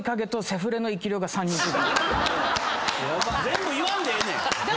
全部言わんでええねん！